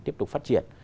tiếp tục phát triển